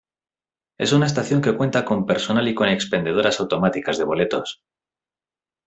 Es una estación que cuenta con personal y con expendedoras automáticas de boletos.